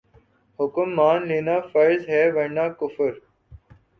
حکم مان لینا فرض ہے ورنہ کفر